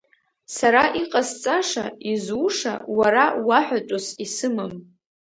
Сара иҟасҵаша, изуша уара уаҳәатәыс исымам!